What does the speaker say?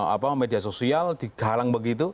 apa media sosial digalang begitu